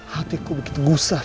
hatiku begitu gusar